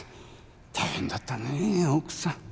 大変だったね奥さん。